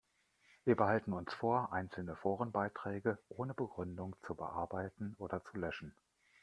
Wir behalten uns vor, einzelne Forenbeiträge ohne Begründung zu bearbeiten oder zu löschen.